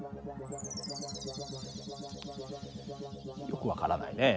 よく分からないね。